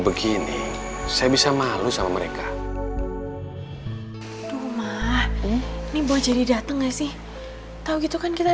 begini saya bisa malu sama mereka rumah nih buat jadi dateng nggak sih tahu gitu kan kita